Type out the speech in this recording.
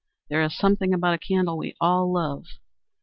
There is something about a candle we all love.